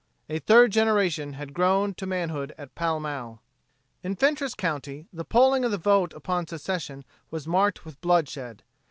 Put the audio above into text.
A third generation had grown to manhood at Pall Mall. In Fentress county, the polling of the vote upon secession was marked with bloodshed.